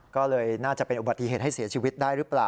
ก็เลยน่าจะเป็นอุบัติเหตุให้เสียชีวิตได้หรือเปล่า